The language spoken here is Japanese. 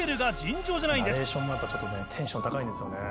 ナレーションもやっぱちょっとねテンション高いんですよね。